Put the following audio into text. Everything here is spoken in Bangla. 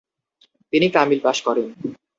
তিনি কামিল পাশ করেন।